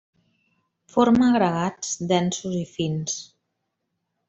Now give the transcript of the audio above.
Forma agregats densos i fins.